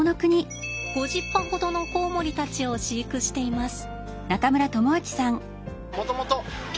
５０羽ほどのコウモリたちを飼育しています。